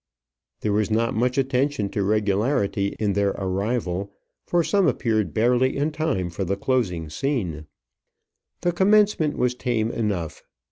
There was not much attention to regularity in their arrival, for some appeared barely in time for the closing scene. The commencement was tame enough.